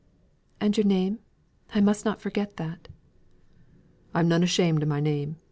"And your name? I must not forget that." "I'm none ashamed o' my name.